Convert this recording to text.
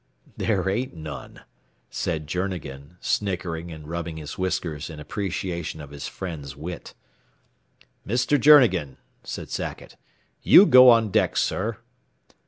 "There ain't none," said Journegan, snickering and rubbing his whiskers in appreciation of his friend's wit. "Mr. Journegan," said Sackett, "you go on deck, sir."